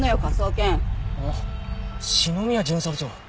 あっ篠宮巡査部長。